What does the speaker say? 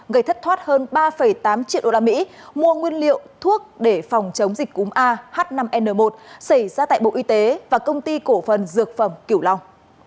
gây thất thoát hơn ba tám triệu usd mua nguyên liệu thuốc để phòng chống dịch cúng a h năm n một xảy ra tại bộ y tế và công ty cổ phần dược phẩm cửu long